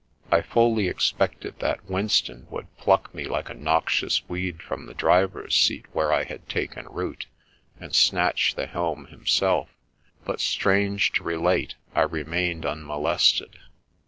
I fully expected that Winston would pluck me like a noxious weed from the driver's seat where I had taken root, and snatch the helm himself ; but strange to relate, I remained unmolested.